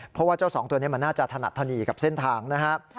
เพราะว่าเจ้าสองตัวนี้มันน่าจะถนัดธนีกับเส้นทางนะครับ